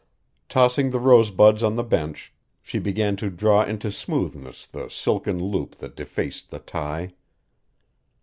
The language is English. Tossing the rosebuds on the bench, she began to draw into smoothness the silken loop that defaced the tie.